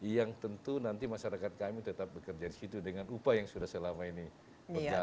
yang tentu nanti masyarakat kami tetap bekerja di situ dengan upaya yang sudah selama ini berjalan